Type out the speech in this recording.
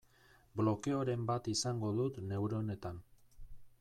Blokeoren bat izango dut neuronetan.